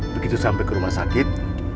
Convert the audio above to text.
begitu sampai ke rumah sakit